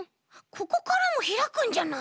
ここからもひらくんじゃない？